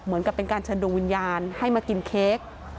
เหมือนกับเป็นการเชิญดวงวิญญาณให้มากินเค้ก